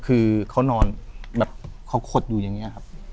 คือเขานอนแบบเขาขดอยู่อย่างนี้ครับ